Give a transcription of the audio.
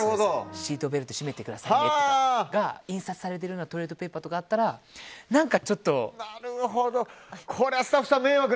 シートベルト締めてくださいねとかが印刷されているようなトイレットペーパーがあればなるほど！